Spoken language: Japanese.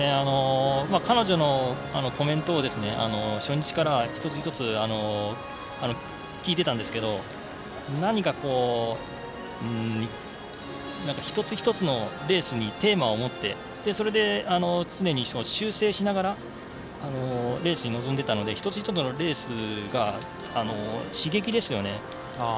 彼女のコメントを初日から一つ一つ聞いていたんですけど何か、一つ一つのレースにテーマを持ってそれで常に修正しながらレースに臨んでいたので一つ一つのレースが刺激ですよね。